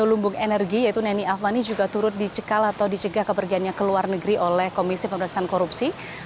sepuluh lumbung energi yaitu neni avani juga turut dicekal atau dicegah kepergiannya ke luar negeri oleh komisi pemerintahan korupsi